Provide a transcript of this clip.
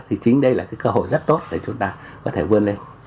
thì chính đây là cái cơ hội rất tốt để chúng ta có thể vươn lên